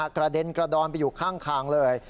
กระเด็นกระดอนไปอยู่ข้างทางเลย